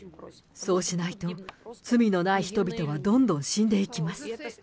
そうしないと、罪のない人々はどんどん死んでいきます。